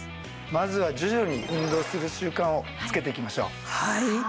まずは徐々に運動する習慣をつけていきましょう。